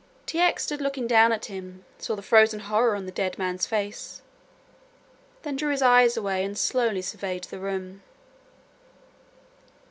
T. X. stood looking down at him, saw the frozen horror on the dead man's face, then drew his eyes away and slowly surveyed the room.